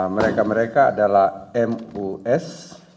mereka mereka adalah mus